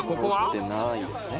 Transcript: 揃ってないですね。